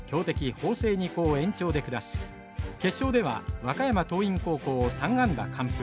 法政二高を延長で下し決勝では和歌山桐蔭高校を３安打完封。